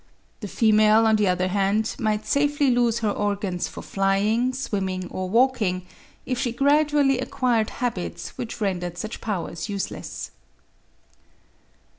The female, on the other hand, might safely lose her organs for flying, swimming, or walking, if she gradually acquired habits which rendered such powers useless.